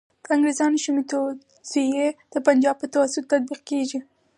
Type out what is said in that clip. د انګریزانو شومي توطیې د پنجاب په توسط تطبیق کیږي.